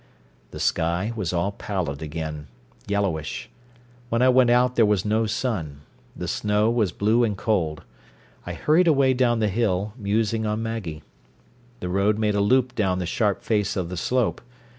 The sky was all pallid again, yellowish. When I went out there was no sun; the snow was blue and cold. I hurried away down the hill, musing on Maggie. The road made a loop down the sharp face of the slope.